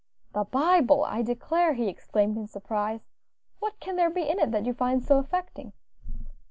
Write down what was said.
"The Bible, I declare!" he exclaimed in surprise. "What can there be in it that you find so affecting?"